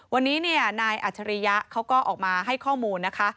วันนี้นายอัจฉริยะเขาก็ออกมาให้ข้อมูลนะคะ